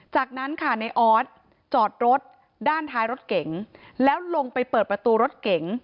จากนั้นค่ะในออสจอดรถด้านท้ายรถเก๋งแล้วลงไปเปิดประตูรถเก๋ง